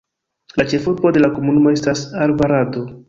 La ĉefurbo de la komunumo estas Alvarado.